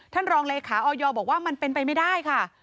รองเลขาออยบอกว่ามันเป็นไปไม่ได้ค่ะ